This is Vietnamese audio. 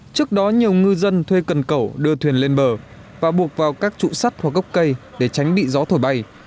trước đó nhiều ngư dân thuê cần cẩu đưa thuyền lên bờ và buộc vào các trụ sắt hoặc gốc cây để tránh bị gió thổi bay